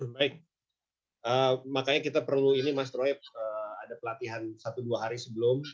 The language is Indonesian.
baik makanya kita perlu ini mas troy ada pelatihan satu dua hari sebelum